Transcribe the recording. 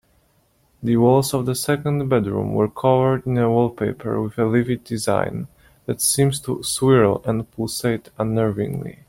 The walls of the second bedroom were covered in a wallpaper with a livid design that seemed to swirl and pulsate unnervingly.